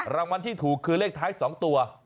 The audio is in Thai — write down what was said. รางวัลที่ถูกคือเลขท้าย๒ตัว